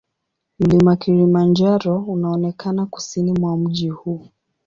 Mlima Kilimanjaro unaonekana kusini mwa mji huu.